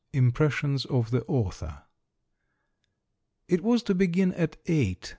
IMPRESSIONS OF THE AUTHOR. It was to begin at eight.